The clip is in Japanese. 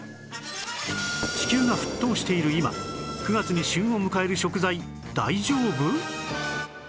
地球が沸騰している今９月に旬を迎える食材大丈夫？